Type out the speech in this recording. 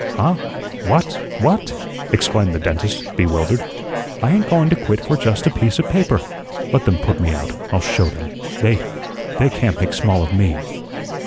Huh? What? What?" exclaimed the dentist, bewildered. "I ain't going to quit for just a piece of paper. Let them put me out. I'll show them. They they can't make small of me."